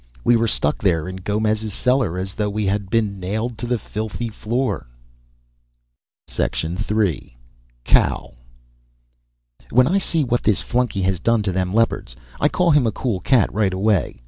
We were stuck there in Gomez's cellar, as though we had been nailed to the filthy floor. III Cow When I see what this flunky has done to them Leopards, I call him a cool cat right away.